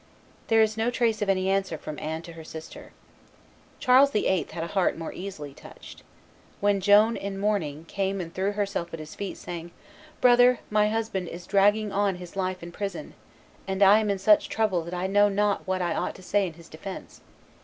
There is no trace of any answer from Anne to her sister. Charles VIII. had a heart more easily touched. When Joan, in mourning, came and threw herself at his feet, saying, "Brother, my husband is dragging on his life in prison; and I am in such trouble that I know not what I ought to say in his defence.